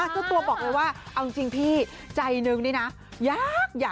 เจ้าตัวบอกเลยว่าเอาจริงพี่ใจนึงนี่นะยาก